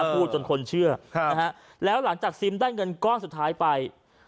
พูดจนคนเชื่อแล้วหลังจากซิมได้เงินก้อนสุดท้ายไป